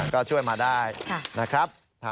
ก็ช่วยมาได้นะครับ